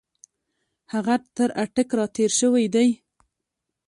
هغه تر اټک را تېر شوی دی.